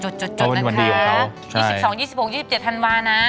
โดยวันดีของเขาโดยวันดีอยู่ใช่๒๒๒๖๒๗ธันวาร์นะ